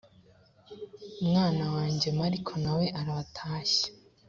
umwana wanjye mariko na we arabatashya